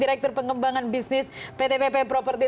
direktur pengembangan bisnis pt pp property